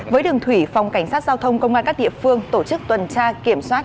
với đường thủy phòng cảnh sát giao thông công an các địa phương tổ chức tuần tra kiểm soát